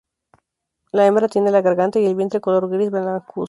La hembra tiene la garganta y el vientre color gris blancuzco.